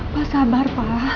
pah sabar pah